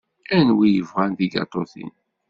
Anwi yebɣan tigaṭutin?